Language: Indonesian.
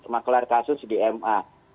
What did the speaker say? maklar kasus di ma